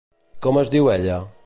Com es diu ella?